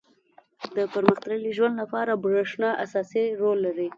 • د پرمختللي ژوند لپاره برېښنا اساسي رول لري.